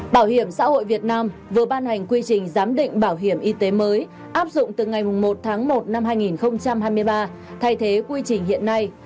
bảo hiểm xã hội việt nam vừa ban hành quy trình giám định bảo hiểm y tế mới áp dụng từ ngày một tháng một năm hai nghìn hai mươi ba thay thế quy trình hiện nay